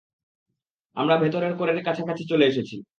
আমরা ভেতরের কোরের কাছাকাছি চলে এসেছি।